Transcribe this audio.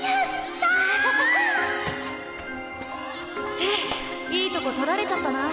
ちぇっいいとこ取られちゃったな。